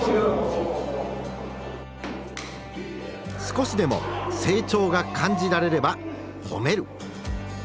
少しでも成長が感じられれば褒める。